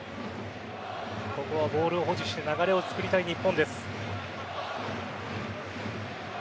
ここはボールを保持して流れを作りたい日本です。